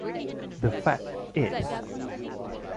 The fact is...